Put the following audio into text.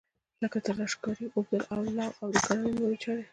لکه تراشکاري، اوبدل، لو او د کرنې نورې چارې.